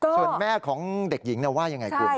ส่วนแม่ของเด็กหญิงว่ายังไงคุณ